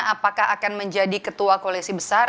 apakah akan menjadi ketua koalisi besar